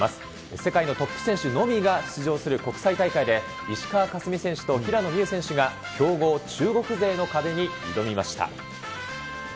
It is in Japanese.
世界のトップ選手のみが出場する国際大会で、石川佳純選手と平野美宇選手が、強豪、中国選手の壁に挑みました。